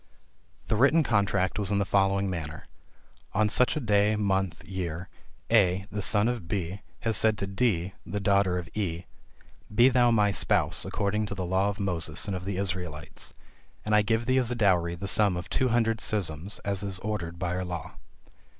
The written contract was in the following manner "On such a day, month, year, A the son of B, has said to D the daughter of E, be thou my spouse according to the law of Moses and of the Israelites; and I give thee as a dowry the sum of two hundred suzims, as it is ordered by our law.